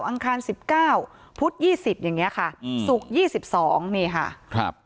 อังคารสิบเก้าพุธยี่สิบอย่างเงี้ยค่ะอืมศุกร์ยี่สิบสองนี่ค่ะครับ